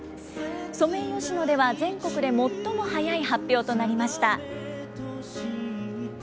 ソメイヨシノでは全国で最も早い発表となりました。